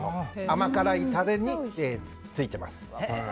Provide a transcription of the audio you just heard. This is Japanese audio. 甘辛いタレについてます。